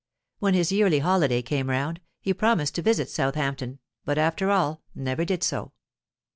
When his yearly holiday came round, he promised to visit Southampton, but after all never did so.